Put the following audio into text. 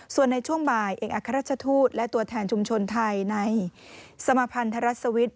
ส่วนในช่วงบ่ายเอกอัครราชทูตและตัวแทนชุมชนไทยในสมพันธรัศวิทย